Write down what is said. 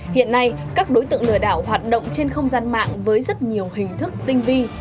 hiện nay các đối tượng lừa đảo hoạt động trên không gian mạng với rất nhiều hình thức tinh vi